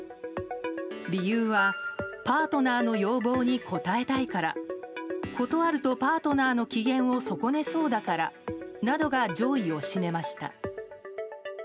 理由はパートナーの要望に応えたいから断るとパートナーの機嫌を損ねそうだからなどが上位を占めました。